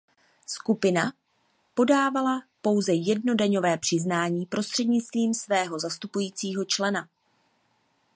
Skupina podávala pouze jedno daňové přiznání prostřednictvím svého zastupujícího člena.